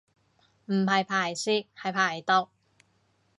唔係排泄係排毒